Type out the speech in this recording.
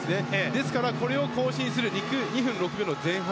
ですから、これを更新する２分６秒の前半。